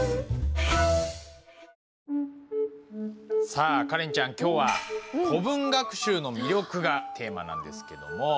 さあカレンちゃん今日は「古文学習の魅力」がテーマなんですけども。